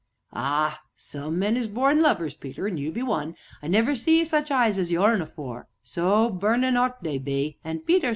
"Ah! some men is born lovers, Peter, an' you be one. I never see such eyes as yourn afore, so burnin' 'ot they be. Ah, Peter!